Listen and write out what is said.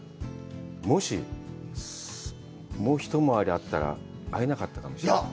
もし、もう１回りあったら会えなかったかもしれない。